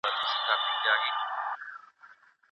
د روژې ورځي اوږدې نه وي.